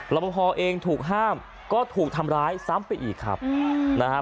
ประพอเองถูกห้ามก็ถูกทำร้ายซ้ำไปอีกครับนะฮะ